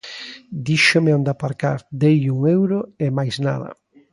Díxome onde aparcar, deille un euro e máis nada.